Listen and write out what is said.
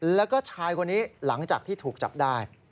แล้วก็ชายคนนี้หลังจากที่ถูกจับได้